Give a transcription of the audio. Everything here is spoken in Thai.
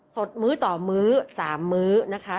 สดมื้อต่อมื้อ๓มื้อนะคะ